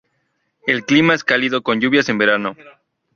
El clima es cálido, con lluvias en verano.